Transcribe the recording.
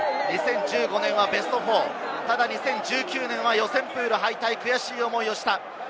２０１５年はベスト４、ただ２０１９年は予選プール敗退、悔しい思いをした。